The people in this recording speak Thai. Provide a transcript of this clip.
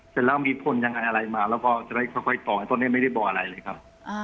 เสร็จแล้วมีผลยังไงอะไรมาแล้วก็จะได้ค่อยต่อให้ตอนนี้ไม่ได้บอกอะไรเลยครับ